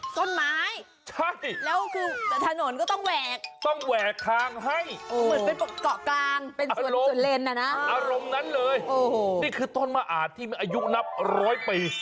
ส้นไม้แล้วคือถนนก็ต้องแหวกอรมณ์นั้นเลยนี่คือต้นมหาดที่มีอายุนับ๑๐๐ปี